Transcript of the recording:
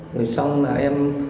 rồi xong là em